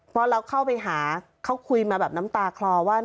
พอเราเข้าไปหาเขาคุยมาแบบน้ำตาคลอว่า